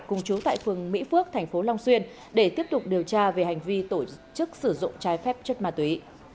cùng chú tại phường mỹ phước thành phố long xuyên để tiếp tục điều tra về hành vi tổ chức sử dụng trái phép chất ma túy